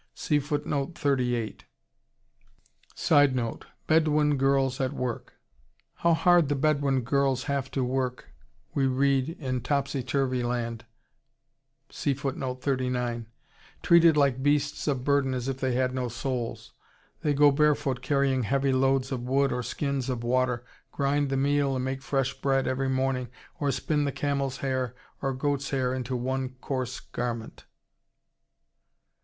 [Sidenote: Bedouin girls at work.] "How hard the Bedouin girls have to work," we read in "Topsy Turvey Land," "treated like beasts of burden as if they had no souls! They go barefoot carrying heavy loads of wood or skins of water, grind the meal and make fresh bread every morning, or spin the camel's hair or goat's hair into one coarse garment."